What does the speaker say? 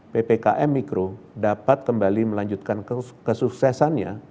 ppkm mikro dapat kembali melanjutkan kesuksesannya